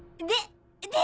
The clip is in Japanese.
で？